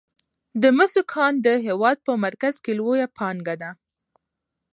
د مسو کان د هیواد په مرکز کې لویه پانګه ده.